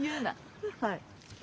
はい。